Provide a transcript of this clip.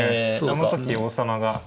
その時王様が。